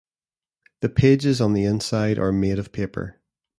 The pages on the inside are made of paper.